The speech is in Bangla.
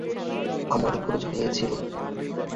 আমার উপর চালিয়েছিল।